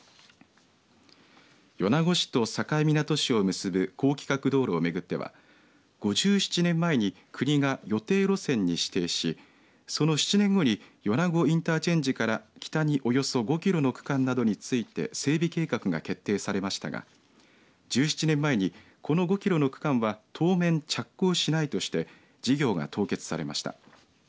米子市と境港市を結ぶ高規格道路を巡っては５７年前に国が予定路線に指定しその７年後に米子インターチェンジから、北におよそ５キロの区間などについて整備計画が決定されましたが１７年前にこの５キロの区間は当面着工しないとして事業が凍結されました。